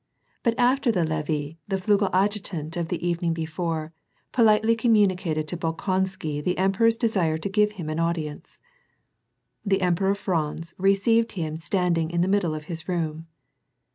But after the levee, the Flugel adjutant of the evening before, politely communicated to Bolkonsky the emperor's desire to give him an audience. The Emperor Franz received Iiim standing in the middle of his room.